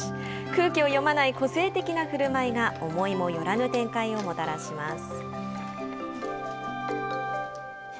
空気を読まない個性的なふるまいが思いもよらぬ展開をもたらします。